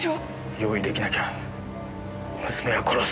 用意出来なきゃ娘は殺す！